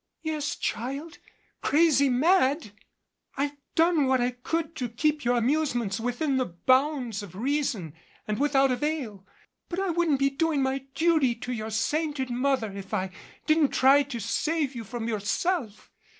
"Yes, child, crazy mad. I've done what I could to keep your amusements within the bounds of reason and without avail, but I wouldn't be doing my duty to your sainted mother if I didn't try to save you from yourself.